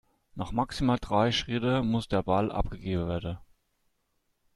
Nach maximal drei Schritten muss der Ball abgegeben werden.